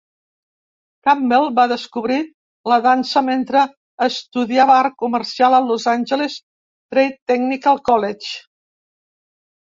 Campbell va descobrir la dansa mentre estudiava Art Comercial a Los Angeles Trade-Technical College.